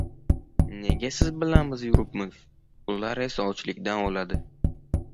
Nega siz bilan biz yuribmiz, ular esa ochlikdan o‘ladi?